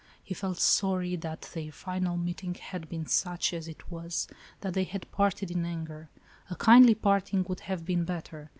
He felt sorry that their final meeting had been such as it was — that they had parted in anger. A kindly parting would have been better.